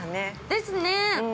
◆ですね！